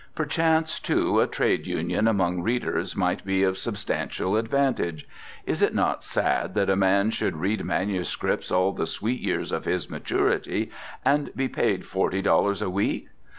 Perchance, too, a trade union among readers might be of substantial advantage. Is it not sad that a man should read manuscripts all the sweet years of his maturity, and be paid forty dollars a week?